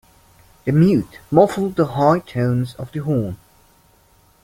The mute muffled the high tones of the horn.